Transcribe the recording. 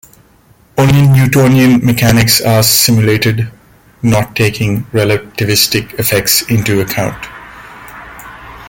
Only Newtonian mechanics are simulated, not taking relativistic effects into account.